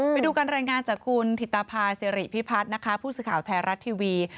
ไปดูการรายงานจากคุณถิตภาษิริพิพัฒน์นะคะผู้สื่อข่าวไทยรัฐทีวี